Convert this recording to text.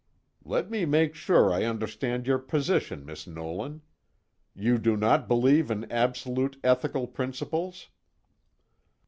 "Let me make sure I understand your position, Miss Nolan. You do not believe in absolute ethical principles?"